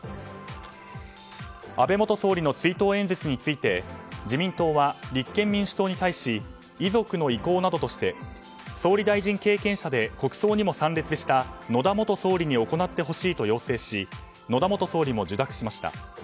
安倍元総理の追悼演説について自民党は立憲民主党に対し遺族の意向などとして総理大臣経験者で国葬にも参列した野田元総理に行ってほしいと要請し野田元総理も受諾しました。